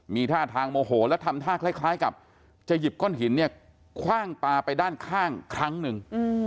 มีท่าทางโมโหแล้วทำท่าคล้ายกับจะหยิบก้อนหินเนี่ยคว่างปลาไปด้านข้างครั้งหนึ่ง